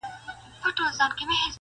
o لکه ول ستوري داسمان داسي راڼه ملګري,